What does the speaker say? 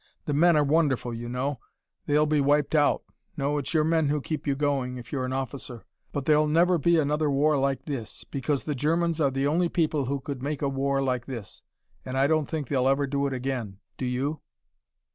The men are wonderful, you know. They'll be wiped out.... No, it's your men who keep you going, if you're an officer.... But there'll never be another war like this. Because the Germans are the only people who could make a war like this and I don't think they'll ever do it again, do you?